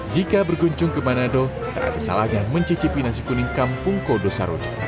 jika berkunjung ke manado tak ada salahnya mencicipi nasi kuning kampung kodo sarojo